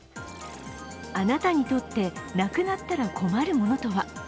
あなたにとってなくなったら困るものとは。